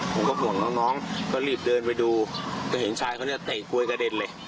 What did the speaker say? ผมก็ห่วงน้องก็รีบเดินไปดูก็เห็นชายเขาเนี่ยเตะกลวยกระเด็นเลย